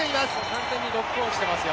完全にロックオンしてますよ。